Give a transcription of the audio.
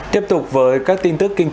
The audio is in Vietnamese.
tiếp tục với các tin tức kinh tế